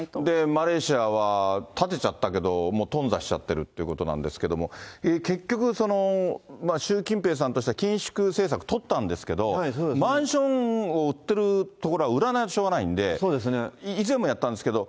マレーシアは建てちゃったけど、もう頓挫しちゃってるということなんですけれども、結局、習近平さんとしては、緊縮政策取ったんですけど、マンションを売ってるところは売らないとしょうがないんで、以前もやったんですけど、